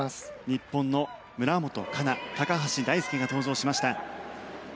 日本の村元哉中、高橋大輔が登場しました。